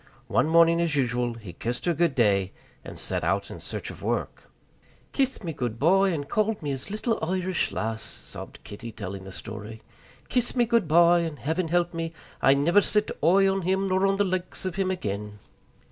One morning as usual he kissed her good day, and set out in search of work. "Kissed me goodby, and called me his little Irish lass," sobbed Kitty, telling the story, "kissed me goodby, and, Heaven help me, I niver set oi on him nor on the likes of him again!"